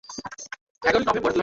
আমরা আমস্টারডাম চলে যাচ্ছি।